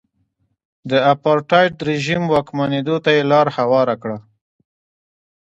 د اپارټاید رژیم واکمنېدو ته یې لار هواره کړه.